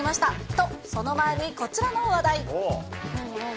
と、その前にこちらの話題。